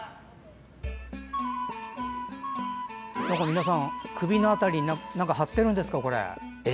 皆さん、首の辺り貼っているんですかね。